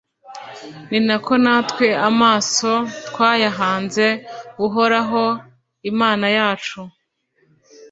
ni na ko natwe amaso twayahanze uhoraho imana yacu